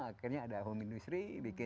akhirnya ada home industry